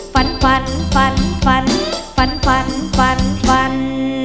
ฝันฝันฝันฝันฝันฝันฝันฝัน